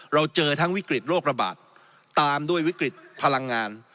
เราเจอทั้งวิกฤตโรคระบาดตามด้วยวิกฤตพลังงาน